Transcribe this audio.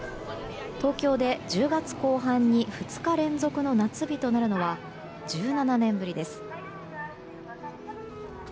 東京で１０月後半に２日連続の夏日となるのは１７年ぶりです。